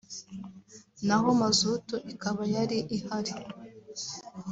naho mazutu ikaba yari ihari